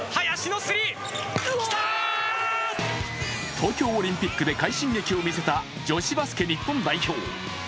東京オリンピックで快進撃を見せた女子バスケ日本代表。